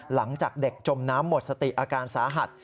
หลังจากเด็กจมน้ำหมดสติอาการสาหัส